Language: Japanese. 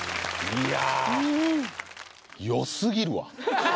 いや